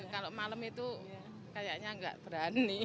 kalau malam itu kayaknya nggak berani